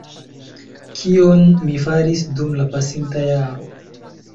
kion mi faris dum la pasinta jaro.